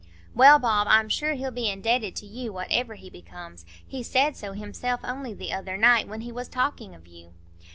"Well, Bob, I'm sure he'll be indebted to you, whatever he becomes; he said so himself only the other night, when he was talking of you."